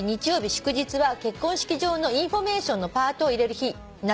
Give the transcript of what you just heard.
祝日は結婚式場のインフォメーションのパートを入れる日になっております」